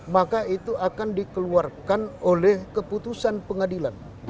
maka itu akan dikeluarkan oleh keputusan pengadilan